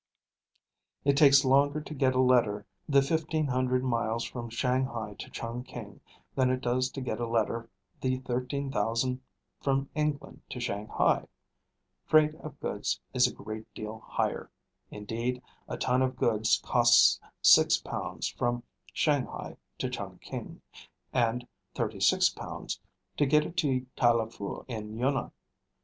It takes longer to get a letter the fifteen hundred miles from Shanghai to Chungking than it does to get a letter the thirteen thousand from England to Shanghai. Freight of goods is a great deal higher; indeed, a ton of goods costs £6 from Shanghai to Chungking, and £36 to get it to Talifu in Yunnan.